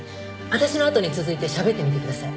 私のあとに続いてしゃべってみてください。